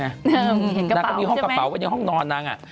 เห็นกระเป๋าใช่ไหมนางก็มีห้องกระเป๋าวันนี้ห้องนอนนาง